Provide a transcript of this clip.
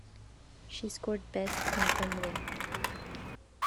She scored best in tumbling.